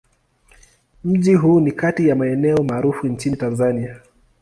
Mji huu ni kati ya maeneo maarufu nchini Tanzania.